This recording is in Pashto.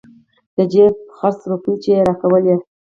د جيب خرڅ روپۍ چې يې راکولې.